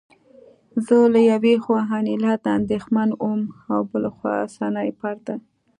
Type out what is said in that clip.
زه له یوې خوا انیلا ته اندېښمن وم او بل خوا سنایپر ته